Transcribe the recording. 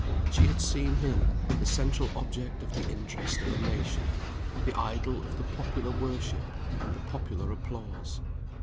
She had seen him, the central object of the interest of a nation; the idol of the popular worship and the popular applause.